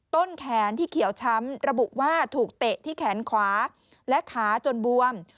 ต้นแขนที่เขียวช้ำระบุว่าถูกเตะที่แขนขวาและขาจนบวม